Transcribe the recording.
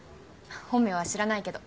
本名は知らないけど。